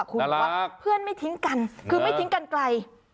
คุณบอกว่าเพื่อนไม่ทิ้งกันคือไม่ทิ้งกันไกล